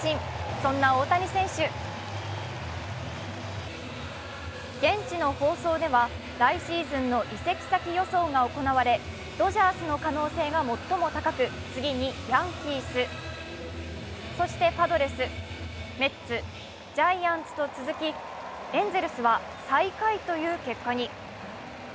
そんな大谷選手、現地の放送では来シーズンの移籍先予想が行われ、ドジャースの可能性が最も高く、次にヤンキース、そしてパドレス、メッツ、ジャイアンツと続きエンゼルスは最下位という結果に。